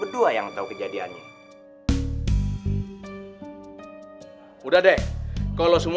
dia makin ngeri